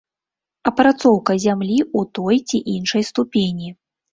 Апрацоўка зямлі ў той ці іншай ступені.